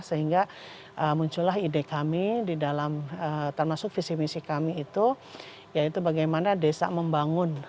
sehingga muncullah ide kami di dalam termasuk visi visi kami itu yaitu bagaimana desa membangun